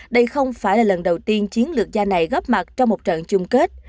đây không phải là lần đầu tiên chiến lược gia này góp mặt trong một trận chung kết